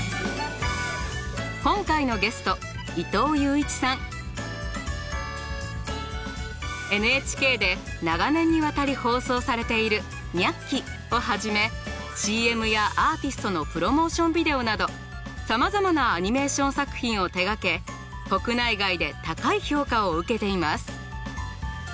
今回のゲストＮＨＫで長年にわたり放送されている「ニャッキ！」をはじめＣＭやアーティストのプロモーションビデオなどさまざまなアニメーション作品を手がけ国内外で高い評価を受けています。